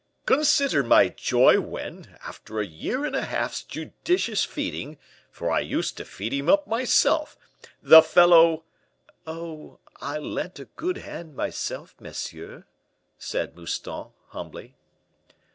"Consider my joy when, after a year and a half's judicious feeding for I used to feed him up myself the fellow " "Oh! I lent a good hand myself, monsieur," said Mouston, humbly.